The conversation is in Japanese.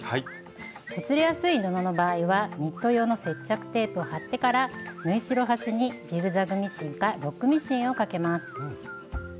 ほつれやすい布の場合はニット用の接着テープを貼ってから縫い代端にジグザグミシンかロックミシンをかけます。